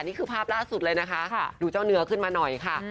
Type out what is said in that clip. นี่คือภาพล่าสุดเลยนะคะดูเจ้าเนื้อขึ้นมาหน่อยค่ะ